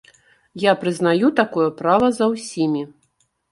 Я прызнаю такое права за ўсімі.